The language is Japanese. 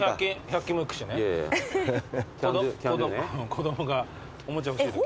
子供がおもちゃ欲しいとき。